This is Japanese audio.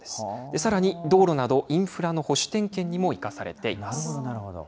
さらに道路など、インフラの保守点検にも生かされています。